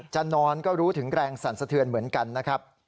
จะนอนก็รู้ถึงแรงสั่นสะเทือนเหมือนกันนะครับ